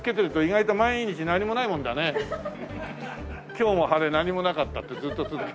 「今日も晴れ何もなかった」ってずっと続く。